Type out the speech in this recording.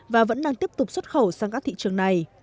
và vẫn đang tiếp tục xuất khẩu sang các thị trường này